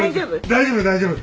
大丈夫大丈夫。